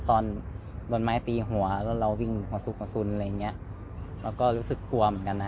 ตอนบลดไม้ตีหัวแล้วเราวิ่งขวาสุกอาศุนย์อะไรอะเราก็รู้สึกกลัวเหมือนกันนะ